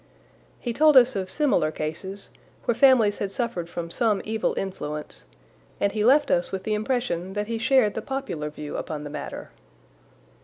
He told us of similar cases, where families had suffered from some evil influence, and he left us with the impression that he shared the popular view upon the matter.